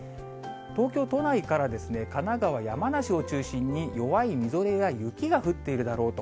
東京都内から神奈川、山梨を中心に弱いみぞれや雪が降っているだろうと。